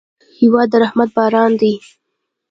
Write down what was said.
هېواد د رحمت باران دی.